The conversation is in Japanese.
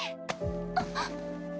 あっ。